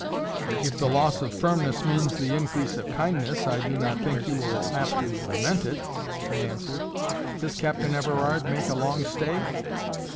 "If the loss of firmness means the increase of kindness, I do not think you will have to lament it," I answered. "Does Captain Everard make a long stay?"